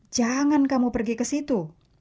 jangan kamu pergi ke situ